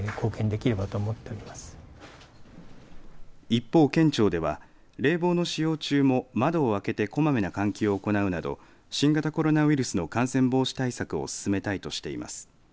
一方、県庁では冷房の使用中も窓を開けてこまめな換気を行うなど新型コロナウイルスの感染防止対策を進めたいとしています。